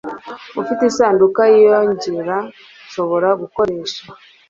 Ufite isanduku yinyongera nshobora gukoresha?